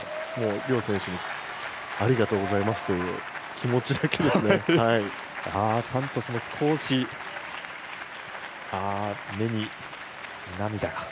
両選手にありがとうございますというサントスも少し目に涙が。